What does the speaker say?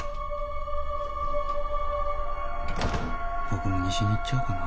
僕も西に行っちゃおうかな。